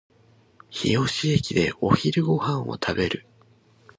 日吉駅でお昼ご飯を食べる